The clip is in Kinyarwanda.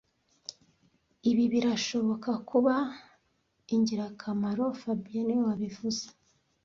Ibi birashobora kuba ingirakamaro fabien niwe wabivuze